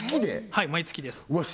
はい毎月ですうわ